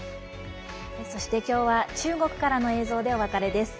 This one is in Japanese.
そして、今日は中国からの映像でお別れです。